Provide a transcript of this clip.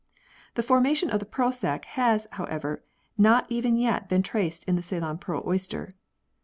The formation of the pearl sac has, however, not even yet been traced in the Ceylon pearl oyster.